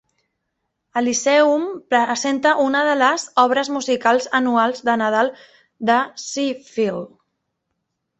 El Lyceum presenta una de les obres musicals anuals de Nadal de Sheffield.